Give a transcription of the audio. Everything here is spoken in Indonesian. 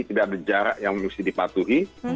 tidak ada jarak yang mesti dipatuhi